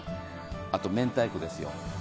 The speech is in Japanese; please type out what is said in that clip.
あと明太子ですよ。